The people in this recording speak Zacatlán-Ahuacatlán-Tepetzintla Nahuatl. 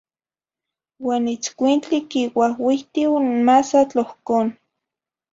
Uan nitzcuintli quiuahuihtih n masatl ohcôn.